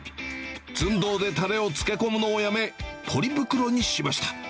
ずんどうでたれを漬け込むのをやめ、ポリ袋にしました。